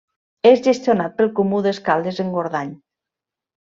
És gestionat pel Comú d’Escaldes-Engordany.